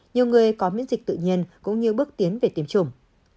nhiều người có miễn dịch tự nhiên cũng như bước tiến về tiêm chủng